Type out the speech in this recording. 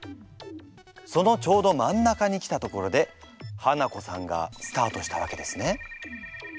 そのちょうど真ん中に来たところでハナコさんがスタートしたわけですね。